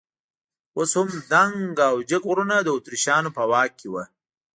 اوس هم دنګ او جګ غرونه د اتریشیانو په واک کې وو.